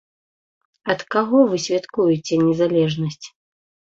Ад каго вы святкуеце незалежнасць?